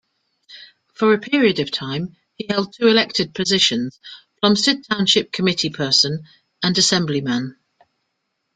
For a period of time, he held two elected positions-Plumsted Township committeeperson and Assemblyman.